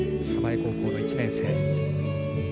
鯖江高校の１年生。